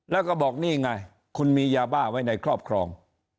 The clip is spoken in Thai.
แล้วก็บอกนี่ไงคุณมียาบ้าไว้ในครอบครอง